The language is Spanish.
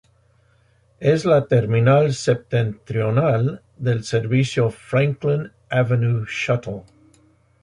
Es la terminal septentrional del servicio Franklin Avenue Shuttle.